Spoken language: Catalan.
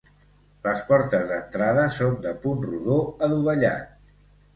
Les portes d'entrada són de punt rodó adovellat.